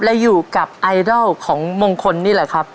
และอยู่กับไอดอลของมงคลนี่แหละครับ